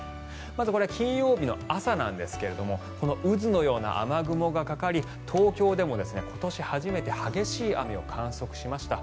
まず、これは金曜日の朝なんですがこの渦のような雨雲がかかり東京でも今年初めて激しい雨を観測しました。